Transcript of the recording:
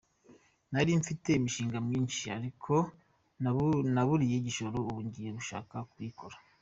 Nari mfite imishinga myinshi ariko naburiye igishoro ubu ngiye kubasha kuyikora.